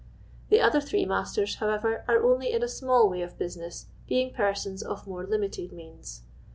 The other 3 masters, however, are only in a small way of business, being persons of more limited means.